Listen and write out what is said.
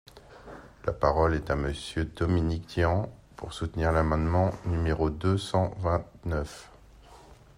La parole est à Monsieur Dominique Tian, pour soutenir l’amendement numéro deux cent vingt-neuf.